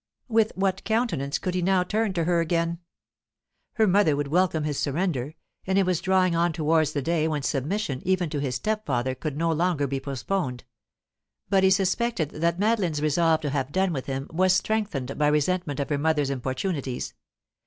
With what countenance could he now turn to her again? Her mother would welcome his surrender and it was drawing on towards the day when submission even to his stepfather could no longer be postponed but he suspected that Madeline's resolve to have done with him was strengthened by resentment of her mother's importunities.